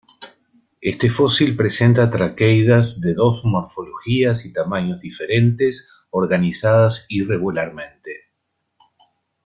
Este fósil presenta traqueidas de dos morfologías y tamaños diferentes organizadas irregularmente.